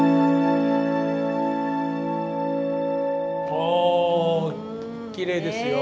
おきれいですよ！